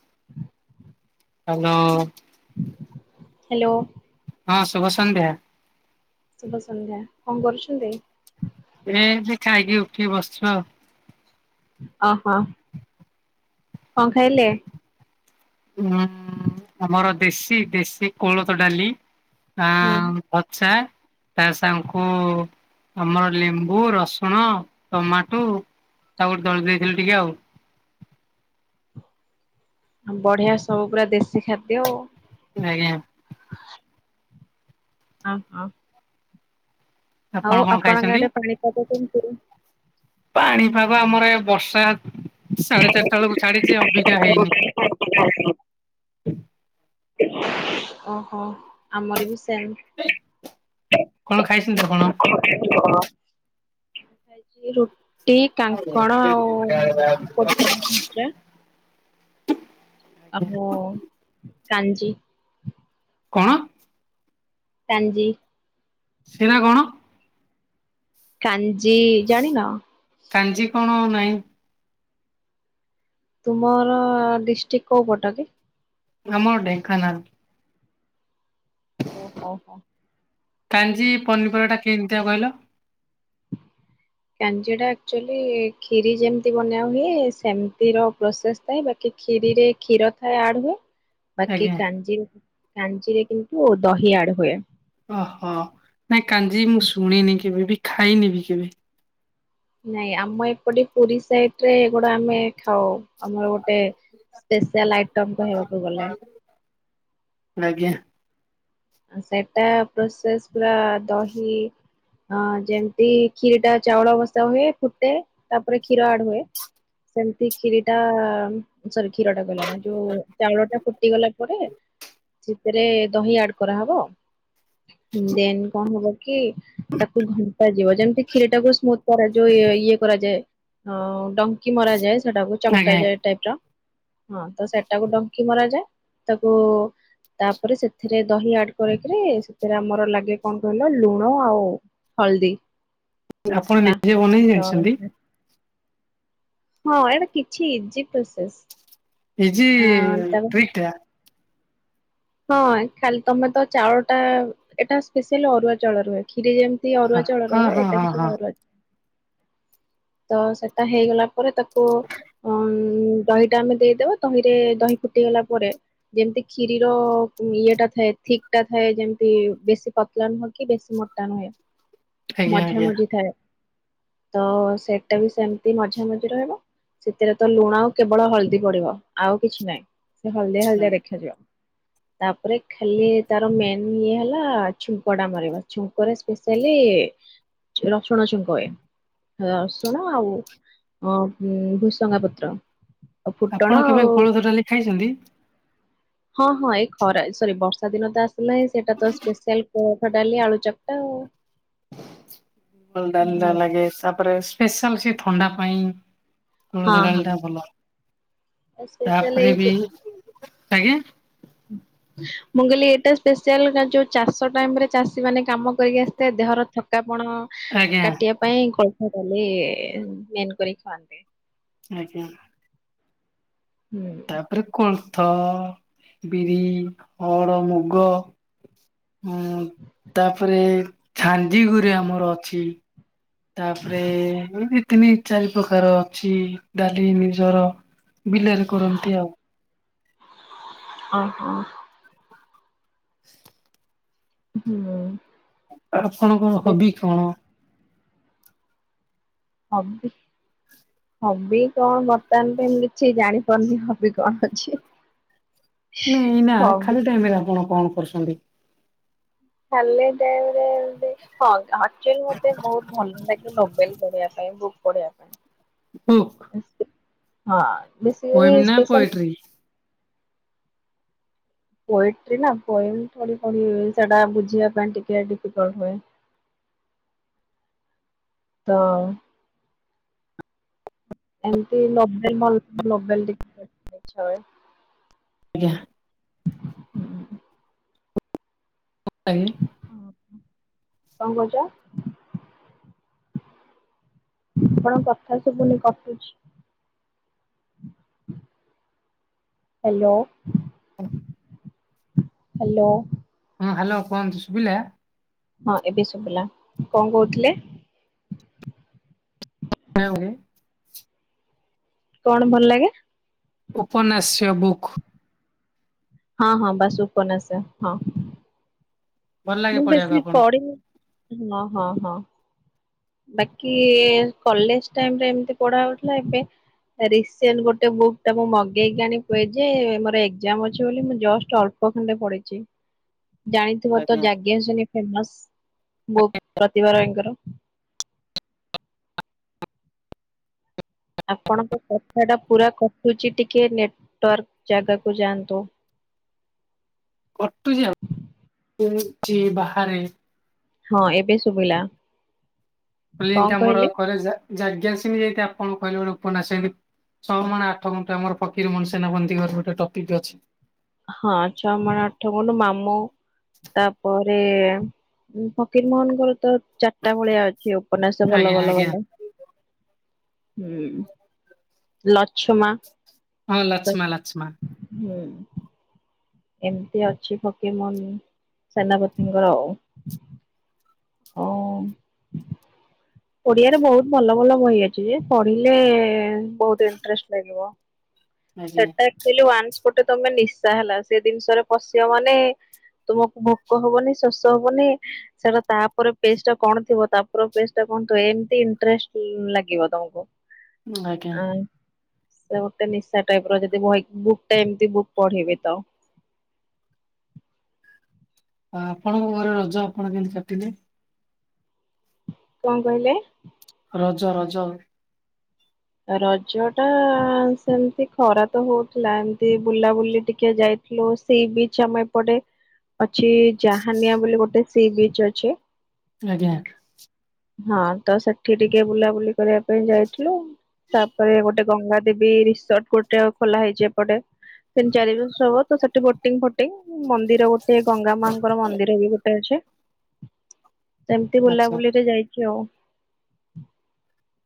[inaudible] Hello. Hello ହଁ ଶୁଭ ସନ୍ଧ୍ୟା। ଶୁଭ ସନ୍ଧ୍ୟା, କଣ କରୁଛନ୍ତି? ଏ ଯେ ଖାଇକି ଉଠିକି ବସଚୁ ଆଉ। ଅ ହ, କଣ ଖାଇଲେ? ଉୁଁଉଁଉଁ ଆମର ଦେଶୀ ଦେଶୀ କୋଳଥ ଡାଲି। ହୁଁ। ଅଛା ତା ସାଙ୍ଗଙ୍କୁ ଆମର ଲେମ୍ବୁ, ରସୁଣ, ଟମାଟୋ। ତାକୁ ଦଳି ଦେଇଥିଲି ଟିକେ ଆଉ ହଁ ବଢିଆ ସବୁ ପୁରା ଦେଶୀ ଖାଦ୍ୟ। ଇଁ ଆଜ୍ଞା। ଓ ହୋ ଆପଣ ଆଉ କଣ ଆପଣଙ୍କ ଆଡେ ପାଣିପାଗ କେମିତି? ପାଣି ପାଗ ଆମର ଏ ବର୍ଷା ସାଢ଼େ ଚାରିଟା ବେଳକୁ ଛାଡିଚି ଅବିକା ହେଇନି। ଓ ହୋ ଆମର ବି ସେମ୍ କଣ ଖାଇସନ୍ତି ଆପଣ? [unintelligible] ଟି, କାଙ୍କଣ ଆଉ ପୋଟଳ ଭଜା। ଆଉ କାଞ୍ଜି କଣ? କାଞ୍ଜି ସେଗରା କଣ? କାଞ୍ଜି ଜାଣିନ? କାଞ୍ଜି କଣ ନାଇଁ। ତୁମର ଡିଷ୍ଟ୍ରିକ୍ଟ କୋଉ ପଟ? ଆମ ଢେଙ୍କାନାଳ। ଓହୋ ହୋ। କାଞ୍ଜି ପନିପରିବାଟା କେମିତିଆ କହିଲ? କାଞ୍ଜିଟା ଆକ୍ଚୁଆଲି କ୍ଷୀରୀ ଯେମିତି ବନିଆ ହୁଏ ସେମତିର ପ୍ରୋସେସ୍ ଥାଏ ବା କି କ୍ଷୀରିରେ ଖୀର ଥାଏ ଆଡ୍ ହୁଏ ବାକି ଆଜ୍ଞା କାଞ୍ଜି କାଞ୍ଜିିରେ କିନ୍ତୁ ଦହି ଆଡ୍ ହୁଏ। ଓହୋ ନାଇଁ କାଞ୍ଜି ମୁଁ ଶୁଣିନି କେବେ ବି ଖାଇନି ବି କେବେ। ନାଇଁ ଆମ ଏପଟେ ପୁରୀ ସାଇଡ୍ ରେ ଏଗୁଡା ଆମେ ଖାଉ ଆମର ଗୋଟେ ସ୍ପସିଆଲ୍ ଆଇଟମ୍ କହିବାକୁ ଗଲେ। ଆଜ୍ଞା। ସେଟା ପ୍ରୋସେସ୍ ପୁରା ଦହି ହଁ ଯେମିତି କ୍ଷୀରୀ ଟା ଚାଉଳ ବସା ହୁଏ ଫୁଟେ ତାପରେ କ୍ଷୀର ଆଡ୍ ହୁଏ ସେମତି କ୍ଷିରୀ ଟା ସରି। କ୍ଷୀର ଟା ଗଲାଣି ଯୋଉ ଚାଉଳ ଟା ଫୁଟି ଗଲା ପରେ ସେଥିରେ ଦହି ଆଡ୍ କରାହବ ଦେନ୍ କଣ ହବ କି ତାକୁ ଘଣ୍ଟା ଯିବ ଯେମିତି କ୍ଷୀରୀ ଟାକୁ ସ୍ମୁଥ୍ କରାଯିବ ଯୋଉ ଇଏ କରାଯାଏ ହଁ ଡଙ୍କି ମରା ଯାଏ ସେଟାକୁ ଚକ୍ ଆଜ୍ଞା ଟା ଯାଏ ଟାଇପ୍ ର। ହଁ ତ ସେଟାକୁ ଡଙ୍କି ମରା ଯାଏ ତାକୁ ତାପରେ ସେଥିରେ ଦହି ଆଡ୍ କରିକିରି ସେଥିରେ ଆମର ଲାଗେ କଣ କହିଲ ଲୁଣ ଆଉ ହଳଦୀ ଆପଣ ହେଲା ନିଜେ ବନେଇ ତ ଜାଣିଛନ୍ତି? ହଁ ଏଇଟା କିଛି ଇଜି ପ୍ରସେସ୍। ଇଜିି ଟ୍ରିକ୍ ଟା। ହଁ ଖାଲି ତମେ ତ ଚାଉଳ ଟା ଏଟା ସ୍ପେଶସିଆଲି ଅରୁଆ ଚାଉଳରେ ହୁଏ କ୍ଷୀରି ଯେମି ତି ହଁ ଅରୁଆ ଚାଉଳ ରେ ହଁ ହୁଏ ହଁ ଏଟା ହଁ ବି ସେ ହଁ ଅରୁଆ ତ ସେଟା ହେଇଗଲା ପରେ ତାକୁ ଅ ଦହି ଟା ଆମେ ଦେଇଦବା ଦହିରେ ଦହି ଫୁଟିଗଲା ପରେ ଯେମିତି କ୍ଷିରୀର ଇଏ ଟା ଥାଏ ଥିକ୍ ଟା ଥାଏ ଯେମିତି ବେଶୀ ପ ତଳା ନୁହେଁ କି ବେଶୀ ମୋଟା ନୁହେଁ ଆଜ୍ଞା ମଝା ଆଜ୍ଞା। ମଝି ଥାଏ ତ ସେଟ ଟା ବି ସେମିତି ମଝା ମଝି ରହିବ। ସେଥିରେ ତ ଲୁଣ ଆଉ କେବଳ ହଳଦୀ ପଡିବ ଆଉ କିଛି ନାହିଁ ସେ ହଳଦିଆ ହଳଦିଆ ଆଜ୍ଞା। ଦେଖାଯିବ। ତାପରେ ଖାଲି ତାର ମେନ୍ ଇଏ ହେଲା ଛୁଙ୍କ ଟା ମରିବା ଛୁଙ୍କରେ ସ୍ପେସିଆଲି ରସୁଣ ଛୁଙ୍କ ହୁଏ ରସ ସୁଣ ଆଉ ଭୁସଙ୍ଗା ପତ୍ର ଆଉ ଆପଣ ଫୁଟଣ କେବେ ଆଉ କୋଳଥ ଡାଲି ଖାଇଛନ୍ତି? ହଁ ହଁ ଏଇ ଖରା ସରି ବର୍ଷା ଦିନ ତ ଆସିଲାଇଁ ସେଇଟା ତ ସ୍ପେସିଆଲ୍ ଭାତ ଡାଲି ଆଳୁ ଚକ୍‌ଟା ଆଉ। ଗଲା ଲାଗେ [inaudible] ତାପରେ ସ୍ପେଶାଲ୍ ସେ ଥଣ୍ଡା ପାଇଁ। କୋଳଥ ହଁ ହଁ ଡାଲି ଟା ଭଲ ସ୍ପେଶାଲ ଏଇ ତାପରେ ବି ଆଜ୍ଞା। [inaudible] ମୁଁ କହିଲି ଏଇଟା ସ୍ପେଶିଆଲ ଯୋଉ ଚାଷ ଟାଇମ ରେ ଚାଷୀ ମାନେ କାମ କରିକି ଆସିଥାଏ ଦେହର ଥକାପଣ ଆଜ୍ଞା କାଟିବା ପାଇଁ କୋଳଥ ଡାଲି ମେନ୍ କରି ଖଆନ୍ତି। ଆଜ୍ଞା। ହୁଁ। ତାପରେ କୋଳଥ ବିରି ହଡ ମୁଗ। ହଁ ତାପରେ ଝାଞ୍ଜିଗୁରେ ଆମର ଅଛି। ତାପରେ ଏ ଦି ତିନି ଚାରି ପ୍ରକାର ଅଛି ଡାଲି ନିଜର। ବିଲରେ କରନ୍ତି ଆଉ। ହଁ ହଁ। ହୁଁ। ଆପଣଙ୍କ ହବି କଣ? ହବି। ହବି କଣ ବର୍ତ୍ତମାନ ପାଇଁ ମୁଁ କିଛି ଜାଣିପାରୁନି ହବି କଣ ଅଛି? ନାଇଁ ଏଇନା ହବି ଖାଲି ଟାଇମ୍ ରେ ଆପଣ କଣ କରୁଛନ୍ତି? ଖାଲି ଟାଇମ୍ ରେ ଏମିତି ହଁ। ଆକ୍ଚୁ ଆଲି ମତେ ବହୁତ୍ ଭଲ ଲାଗେ ନଭେଲେ ପଢିବା ପାଇଁ ବୁକ୍ ପଢିବା ପାଇଁ। ହୁଁ। ହଁ ବେସିକରି ପୋଏମ୍ ନା ସ୍ପେସାଲ୍ ପୋଏଟ୍ରି? ପୋଏଟ୍ରି ନା ପୋଏମ୍ ଥୋଡି ସେଇଟା ବୁଝିବା ପାଇଁ ଟିକେ ଡିଫିକଲ୍ଟ ହୁଏ। ତ ଏମତି ନୋବେଲ ଭଲ ନୋବେଲ ଟିକିଏ ଦେଖିବାକୁ ଇଚ୍ଛା ହୁଏ। ଆଜ୍ଞା ହାଁ। ଆଜ୍ଞା। କଣ କହୁଚ? ଆପଣଙ୍କ କଥା ଶୁଭୁନି କଟୁଚି। Hello hello. ହଁ ହାଲୋ କୁହନ୍ତୁ ଶୁଭିଲା? ହଁ ଏବେ ଶୁଭିଲା, କଣ କହୁଥିଲେ? [inaudible] କଣ ଭଲ୍ ଲାଗେ? ଉପନାସିୟ ବୁକ୍। ହଁ ହଁ ବାସେ୍ ଉପନାସିୟ ହଁ। ଭଲ ଲାଗେ ମୁଁ ପଢିବାକୁ ବେଶୀ ଆପଣଙ୍କୁ? ପଢି ନି ନ ହଁ ହଁ ହଁ। ବାକି କଲେଜ୍ ଟାଇମରେ ଏମତି ପଢା ହଉଥିଲା, ଏବେ ରିସେଣ୍ଟେ ଗୋଟେ ବୁକ୍ ଟା ମୁଁ ମଗେଇକିଆଣି ଥୁଏ ଯେ ମୋର ଏକ୍ଜେମ ଅଛି ବୋଲି ମୁଁ ଜଷ୍ଟ୍ ଅଳ୍ ଆଉଖଣ୍ଡେ ପଢ଼ିଚି। ଜାଣିଥିବ ତ ଆଜ୍ଞା ଯାଜ୍ଞସେନି ଫେମସ୍ ବୁକ୍ ପ୍ରତିଭା ରାୟେ ଙ୍କର। ଆପଣଙ୍କ କଥାଟା ପୁରା କଟୁଚି ଟିକେ ନେଟେୱାର୍କ ଜାଗାକୁ ଯାଆନ୍ତୁ। କରୁଚି ଆଉ, ଏଇଠି ବାହାରେ। ହଁ ଏବେ ଶୁଭିଲା। ଲିକ୍ ଟା ଆମର କହିଲେ ସାରେ ଯାଜ୍ଞସିନି ଯେମିତି ଏଇଟା ଆପଣ କହିଲେ ଗୋଟେ ଉପନ୍ୟାସ ଏମିତି ଛ ମାଣ ଆଠ ଗୁଣ୍ଠ ଆମର ଫକୀର ମୋହନ୍ ସେନାପତିଙ୍କର ଗୋଟେ ଟପିକ୍ ଅଛି। ହଁ ଛଅ ମାଣ ଆଠ ଗୁଣ୍ଠ, ମାମୁଁ ତାପରେ ଫକୀର ମୋହନଙ୍କର ତ ଚାରିଟା ଭଳିଆ ଅଛି ଉପନ୍ୟାସ ଆଜ୍ଞା ଆଜ୍ଞା ଭଲ-ଭଲ-ଭଲ ହୁଁ। ଲଛମା ହଁ ତ ଲଛମା-ଲଛମା। ହୁଁ। ଏମିତି ଅଛି ଫକିର ମୋହନ ସେନାପତିଙ୍କର ଆଉ। ହଉ। ଓଡିଆରେ ବହୁତ୍ ଭଲ-ଭଲ ବହି ଅଛି ଯେ, ପଢିଲେ ବହୁତ୍ ଇଣ୍ଟରେଷ୍ଟ ଲାଗିବ। ଆଜ୍ଞା। ସେଟା ଆକଚୁଆଲି ୱାନ୍ସ ଗୋଟେ ତମେ ନିଶା ହେଲା ସେ ଜିନିଷରେ ପଶିବ ମାନେ ତୁମକୁ ଭୋକ ହବନି ଶୋଷ ହବନି ସେଟା ତାପରେ ପେଜ୍ ଟା କଣ ଥିବ ତାପରେ ପେଜ୍ ଟା କଣ ଥିବ ଏମିତି ଇଣ୍ଟରେଷ୍ଟ ଲାଗିବ ତମକୁ। ଆଜ୍ଞା ଆ ସେ ଗୋଟେ ନିଶା ବୁକ୍ ଟାଇପ୍ ର ଯଦି ବହିକୁ ବୁକ୍ ଟା ଏମିତି ବୁକ୍ ପଢିବେ ତ ଆ ଆପଣଙ୍କ ଘରେ ରଜ ଆପଣ କେମିତି କାଟିଲେ? କଣ କହିଲେ? ରଜ ରଜ ରଜ ଟା ସେମିତି ଖରା ତ ହଉଥିଲା ଏମତି ବୁଲାବୁଲି ଟିକେ ଯାଇ ସେଇ ବିଚ ଆମ ଏପଟେ। ଅଛି ଜହାନିଆ ବୋଲି ଗୋଟେ ସି ବିଚ ଅଛି। ଆଜ୍ଞା ହଁ ତ ସେଠି ଟିକେ ବୁଲାବୁଲି କରିବା ପାଇଁ ଯାଇଥିଲୁ। ତାପରେ ଗୋଟେ ଗଙ୍ଗା ଦେବୀ ରିସୋର୍ଟ ଗୋଟେ ଆ ଖୋଲା ହେଇଛି ଏପଟେ। ତିନି ଚାରି ବର୍ଷ ହବ ତ ସେଠି ବୋଟିଙ୍ଗ ଫଟିଙ୍ଗ ମନ୍ଦିର ଗୋଟେ ଗଙ୍ଗା ମାଙ୍କର ମନ୍ଦିର ବି ଗୋଟେ ଅଛି। ସେମିତି ଆଚ୍ଛା ବୁଲାବୁଲିରେ ଯାଇଛି ଆଉ।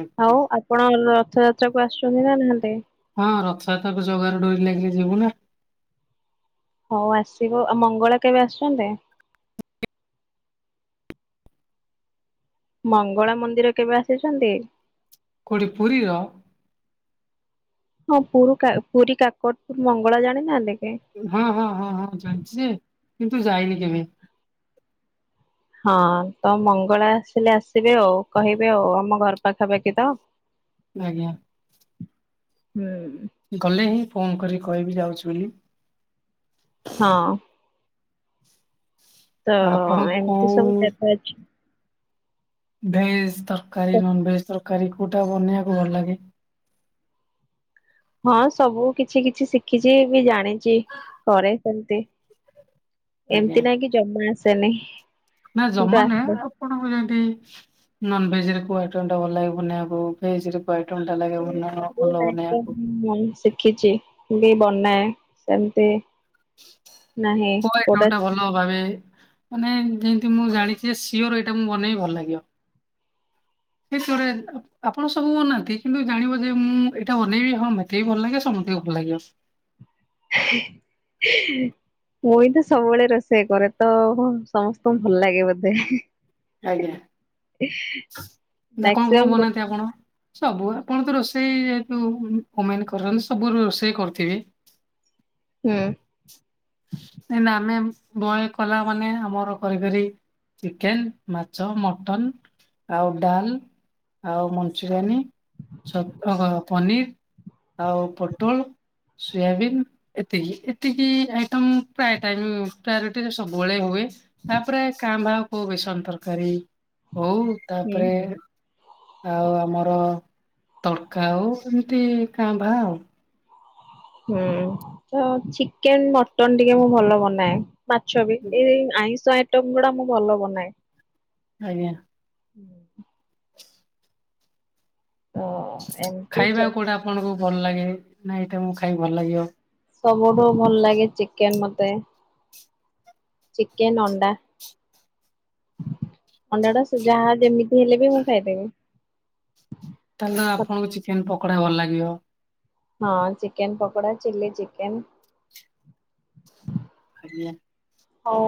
ଆଜ୍ଞା। ଆଉ ଆପଣ ରଥଯାତ୍ରା କ ଆସୁଛନ୍ତି ନା ନାହାନ୍ତି? ହଁ ରଥଯାୟାତତାକୁ ଜଗାରୁ ଡୋରି ଲାଗିଲେ ଯିବୁ ନା। ହଉ ଆସିବ ଆଉ ମଙ୍ଗଳା କେବେ ଆସୁଛନ୍ତି? ମଙ୍ଗଳା ମନ୍ଦିର କେବେ ଆସିଛନ୍ତି? କୋଟି ପୁରୀର? ହଁ ପ ପୁରୀ କାକଟ ପୁରି କାକଟପୁର ମଙ୍ଗଳା ଜାନି ନାହାନ୍ତି କୀ? ହଁ ହଁ ହଁ ହଁ ଚାଲିଛି ଯେ କିନ୍ତୁ ଯାଇନି କେବେବି। ହଁ ତ ମଙ୍ଗଳା ଆସିଲେ ଆସିବେ ଆଉ କହିବେ ଆଉ ଆମ ଘର ପାଖାପାଖି ତ। ଆଜ୍ଞା ହୁଁ ଗଲେ ହିଁ ଫୋନ କରିକ କହିବି ଯାଉଛି ବୋଲି। ହଁ ତ ଆପଣ ଏମିତି କୋଉ ସବୁ ଦେବ ଅଛି। ଭେଜ ତରକାରୀ ନନ ଭେଜ ତରକାରୀ କୋଉଟା ବନେଇବାକୁ ଭଲ ଲାଗେ? ହଁ ସବୁ କିଛି କିଛି ଶିଖିଛି ବି ଜାଣିଛି କରେ ସେମତି। ଆଜ୍ଞା ଏମିତି ନାଇକି ଜମା ଆସେନି। ନା କିନ୍ତୁ ଜମା ଆସେ। ନୁହେଁଏ ଆପଣଙ୍କୁ ଯେମତି ନନଭେଜ ରେ କୋଉ ଆଇଟମ ଟା ଭଲ ଲାଗ ବନେଇବାକୁ? [unintelligible] [unintelligible] ହଁ ଶିଖିଛି ବି ବନାଏ ସେମିତି ନାହିଁ ହ ଏଟମଟା କୋଉଟା ଭଲ ଭାବେ ମାନେ ଯେମିତି ମୁଁ ଜାଣିଛି ସିଓର ଏଇଟା ମୁଁ ବନେଇବି ଭଲ ଲାଗିବ ସେତଆଡେ ଆପଣ ସବୁ ବନାନ୍ତି କିନ୍ତୁ ଜାଣିବ ଯେ ମୁଁ ଏଇଟା ଅନେଇବି ହଁ ମ ତେ ବି ଭଲ ଲାଗିବ ସମସ୍ତେଙ୍କୁ ବି ଭଲ ଲାଗିବ। ହ [inaudible] ମୁଁ ହିଁ ତ ସବୁବେଳେ ରୋଷେଇ କରେ ତ ସମସ୍ତଙ୍କୁ ଭଲ ଲାଗେ ବୋଧେ ଆଜ୍ଞା ନା କଣ କଣ ମ୍ୟାକ୍ସିମମ୍ ରୋ ବନାନ୍ତି ଆପଣ? ସବୁ ଆପଣ ତ ରୋଷେଇ ଯେହେତୁ ଓମେନ କରନ୍ତି ସବୁ ରୋଷେଇ କରୁଥିବେ ହୁଁ ନ ଆମେ ବୟ କଲା ମାନେ ଆମର କରି କରି ଚିକେନ, ମାଛ, ମଟନ ଆଉ ଡାଲ ଆଉ ମଞ୍ଚୁରିଆନୀ ଛ ପନିର ଆଉ ପୋଟଳ ସୋୟାବିନ୍ ଏତିକି ଏତିକି ଆ ଇଟମ ପ୍ରାୟ ଟାଇମ ପ୍ରାୟୋରିଟି ରେ ସବୁବେଳେ ହୁଏ ତାପରେ କାଁ ଭାଁ ହଉ ବେସନ ତରକାରୀ ହଉ ହୁଁ ତାପରେ ହୁଁ। ଆଉ ଆମର ତଡକା ଆଉ ଏମିତି କାଁ ଭାଁ ଆଉ ହୁଁ ତ ଚିକେନ ମଟନ ଟିକେ ମୁଁ ଭଲ ବନାଏ। ମାଛ ବି ଏଇ ଆଇଁଷ ଆଇଟମ ଗୁଡା ମୁଁ ଭଲ ବନାଏ ଆଜ୍ଞା ହୁଁ ଓ ଏମିତି ଖାଇବା କେଉଁଟା ଆପଣଙ୍କୁ ଭଲ ଲାଗେ ନା ଏଇଟା ମୁଁ ଖାଇବି ଭଲ ଲାଗିବ। ସବୁଠୁ ଭଲ ଲାଗେ ଚିକେନ ମତେ ଚିକେନ ଅଣ୍ଡା ଅଣ୍ଡା ଟା ଯାହା ଯେମିତି ହେଲେ ବି ମୁଁ ଖାଇଦେବି ତାହେଲେ ଆପଣଙ୍କୁ ଚିକେନ ପକୋଡା ଭଲ ଲାଗିବ ହଁ ଚିକେନ ପକୋଡ଼ା ଚିଲି ଚିକେନ ଆଜ୍ଞା ହଉ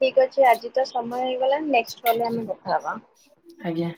ଠିକ ଅଛି ଆଜି ତ ସମୟ ହେଇଗଲା ନେଷ୍ଟେ କଲ ରେ ଆମେ ଦେଖାହବା। ଆଜ୍ଞା